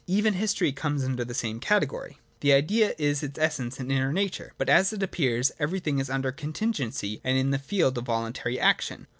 Even history comes under the same category. The Idea is its essence and inner nature ; but, as it appears, every thing is under contingency and in the field of voluntary action.